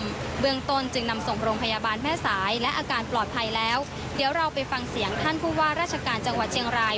เบื้องต้นจึงนำส่งโรงพยาบาลแม่สายและอาการปลอดภัยแล้วเดี๋ยวเราไปฟังเสียงท่านผู้ว่าราชการจังหวัดเชียงราย